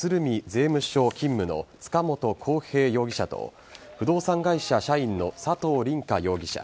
税務署勤務の塚本晃平容疑者と不動産会社社員の佐藤凛果容疑者